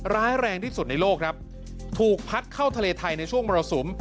ร้ายแรงที่สุดในโลกครับถูกพัดเข้าทะเลไทยในช่วงมรสุม